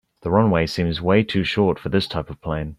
The runway seems way to short for this type of plane.